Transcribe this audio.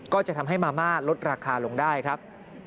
ก็จะทำให้มาม่าลดราคาลงได้ครับ